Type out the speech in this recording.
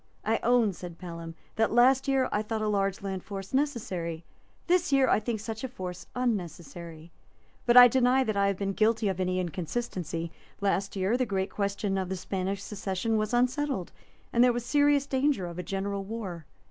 "I own," said Pelham, "that last year I thought a large land force necessary; this year I think such a force unnecessary; but I deny that I have been guilty of any inconsistency. Last year the great question of the Spanish succession was unsettled, and there was serious danger of a general war.